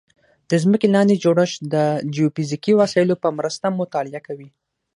د ځمکې لاندې جوړښت د جیوفزیکي وسایلو په مرسته مطالعه کوي